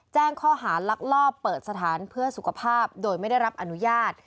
แจ้งข้อหาลักลอบเปิดสถานเพื่อสุขภาพโดยไม่ได้รับอนุญาต